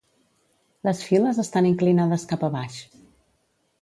Les files estan inclinades cap a baix.